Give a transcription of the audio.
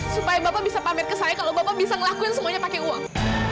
supaya bapak bisa pamit ke saya kalau bapak bisa ngelakuin semuanya pakai uang